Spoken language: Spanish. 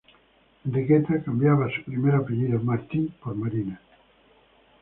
Enriqueta cambiaba su primer apellido, Martí, por Marina.